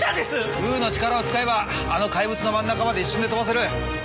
グーの力を使えばあの怪物の真ん中まで一瞬で飛ばせる。